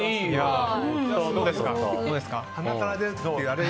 どうですか？